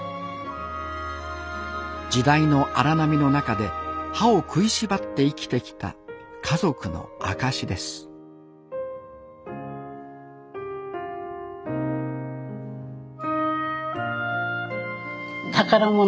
時代の荒波の中で歯を食いしばって生きてきた家族の証しです宝物。